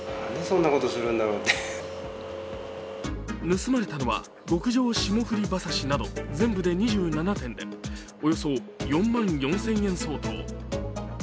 盗まれたのは極上霜降り馬刺しなど全部で２７点で、およそ４万４０００円相当。